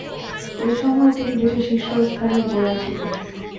ঐ সময়ে তিনি দেশের শীর্ষস্থানীয় বোলার ছিলেন।